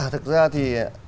thực ra thì